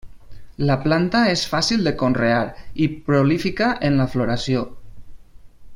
La planta és fàcil de conrear i prolífica en la floració.